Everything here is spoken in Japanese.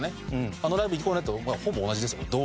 「あのライブ行こうね」とほぼ同じですよ。